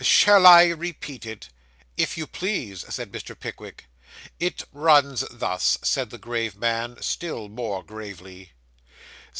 Shall I repeat it?' 'If you please,' said Mr. Pickwick. 'It runs thus,' said the grave man, still more gravely.